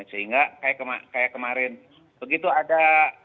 sehingga kayak kemarin begitu ada